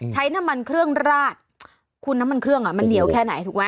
ใช้น้ำมันเครื่องราดคุณน้ำมันเครื่องอ่ะมันเหนียวแค่ไหนถูกไหม